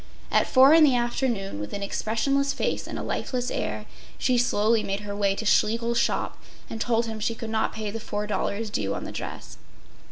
At four in the afternoon, with an expressionless face and a lifeless air she slowly made her way to Schlegel’s shop and told him she could not pay the $4 due on the dress.